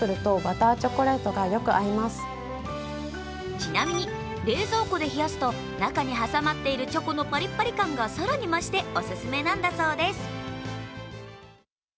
ちなみに冷蔵庫で冷やすと中に挟まっているチョコのパリパリ感が更に増してオススメなんだそうです。